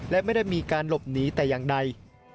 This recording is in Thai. และไม่ได้มีการหลบหนีแต่อย่างใด